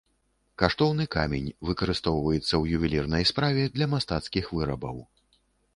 Каштоўны камень, выкарыстоўваецца ў ювелірнай справе, для мастацкіх вырабаў.